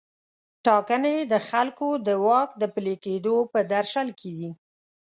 ټاکنې د خلکو د واک د پلي کیدو په درشل کې دي.